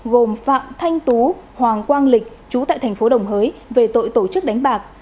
gồm phạm thanh tú hoàng quang lịch chú tại thành phố đồng hới về tội tổ chức đánh bạc